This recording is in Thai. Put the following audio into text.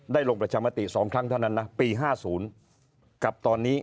ลงประชามติ๒ครั้งเท่านั้นนะปี๕๐กับตอนนี้